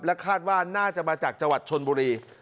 คาดว่าน่าจะมาจากจังหวัดชนบุรี